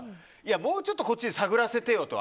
もうちょっとこっちに探らせてよと。